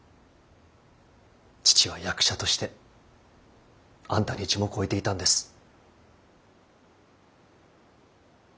父は役者としてあんたに一目置いていたんです。